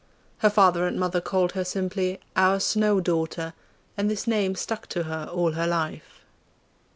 Her father and mother called her simply 'Our Snow daughter,' and this name stuck to her all her life.